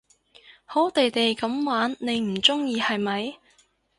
好地地噉玩你唔中意係咪？